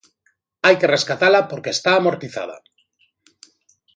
Hai que rescatala porque está amortizada.